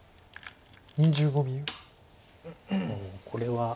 これは。